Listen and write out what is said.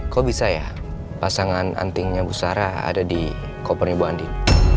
kok bisa ya pasangan antingnya bu sara ada di kopernya mbak andin